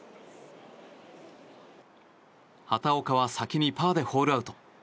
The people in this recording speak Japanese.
畑岡は先にパーでホールアウト。